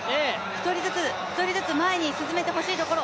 １人ずつ、１人ずつ前に進めてほしいところ。